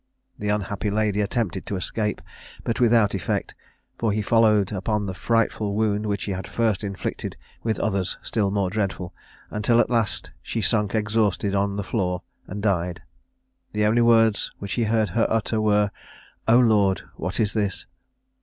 The unhappy lady attempted to escape, but without effect, for he followed up the frightful wound which he had first inflicted with others still more dreadful, until at last she sunk exhausted on the floor and died. The only words which he heard her utter were "Oh Lord! what is this?"